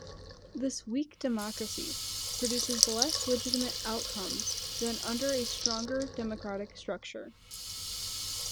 This weak democracy produces less legitimate outcomes than under a stronger democratic structure.